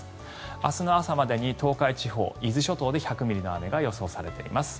明日の朝までに東海地方、伊豆諸島で１００ミリの雨が予想されています。